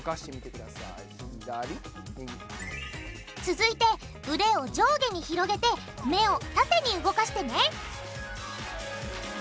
続いて腕を上下に広げて目を縦に動かしてね！